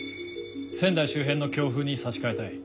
仙台周辺の強風に差し替えたい。